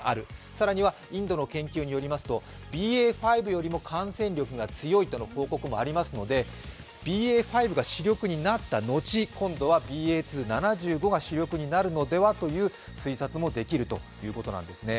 更にはインドの研究によりますとＢＡ．５よりも感染力が強いとの報告もありますので、ＢＡ．５が主力になった後、今度はＢＡ．２．７５が主力になるのではという推察もできるということなんですよね。